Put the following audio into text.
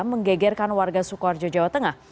menggegerkan warga sukoharjo jawa tengah